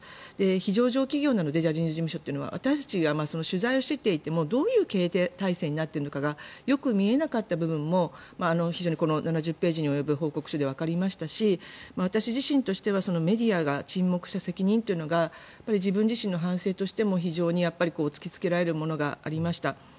非上場企業なのでジャニーズ事務所は私たちが取材をしていてもどういう経営体制になっているのかがよく見えなかった部分も非常にこの７０ページに及ぶ報告書でわかりましたし私自身としてはメディアが沈黙した責任というのが自分自身の反省としても非常に突きつけられるものがありました。